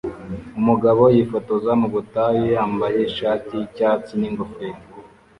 Umugabo yifotoza mu butayu yambaye ishati y'icyatsi n'ingofero